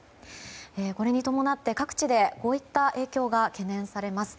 これに伴って、各地でこういった影響が懸念されます。